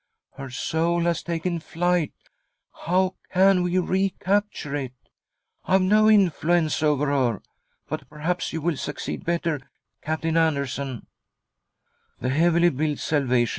Her soul has taken flight ; how can . we recapture it ? I've no influence over her ; but perhaps you will succeed better, Captain Andersson